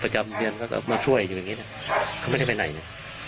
ประจำเดือนประจำพลั๊สมาช่วยอยู่ยังงี้แหละเขาไม่ได้ไปไหนนะ